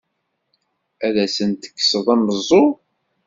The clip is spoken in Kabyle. Ad asen-tekkseḍ ameẓẓuɣ!